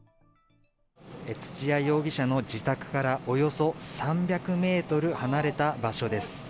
土屋容疑者の自宅からおよそ３００メートル離れた場所です。